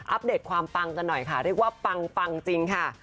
เดตความปังกันหน่อยค่ะเรียกว่าปังปังจริงค่ะ